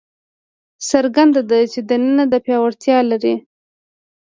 څرګنده ده چې دننه پیاوړتیا لري.